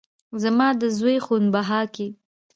زما د زوى خون بها کې